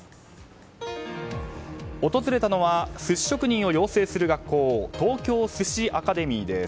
訪れたのは寿司職人を養成する学校、東京すしアカデミーです。